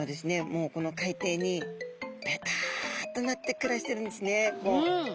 もうこの海底にベタッとなって暮らしてるんですね。